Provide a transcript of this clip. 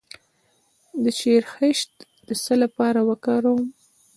د شیرخشت د څه لپاره وکاروم؟